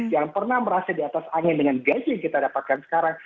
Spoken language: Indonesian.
jangan pernah merasa di atas angin dengan gaji yang kita dapatkan sekarang